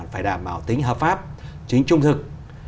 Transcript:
phải đảm bảo tính hợp pháp chính trung thực